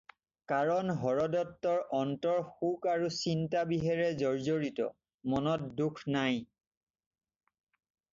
কাৰণ হৰদত্তৰ অন্তৰ শোক আৰু চিন্তা-বিহেৰে জৰ্জ্জৰিত, মনত সুখ নাই।